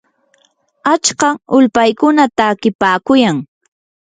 achka ulpaykuna takipaakuyan.